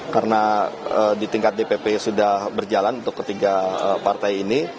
karena di tingkat dpp sudah berjalan untuk ketiga partai ini